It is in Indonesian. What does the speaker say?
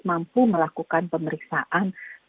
mampu melakukan pemeriksaan